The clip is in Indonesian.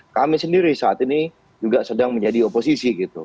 kami sendiri saat ini juga sedang menjadi oposisi gitu